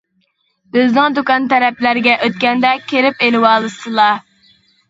بىزنىڭ دۇكان تەرەپلەرگە ئۆتكەندە كىرىپ ئىلىۋالسىلا.